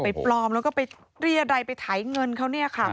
ปลอมแล้วก็ไปเรียรัยไปไถเงินเขาเนี่ยค่ะ